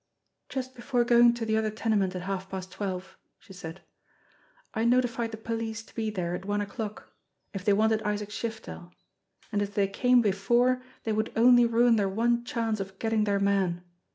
"Just before going to the other tenement at half past twelve," she said, "I notified the police to be there at one o'clock if they wanted Isaac Shiftel; and that if they came before they would only ruin their one chance of getting their man.